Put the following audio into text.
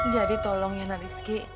jadi tolong ya marisky